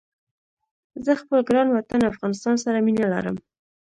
زه خپل ګران وطن افغانستان سره مينه ارم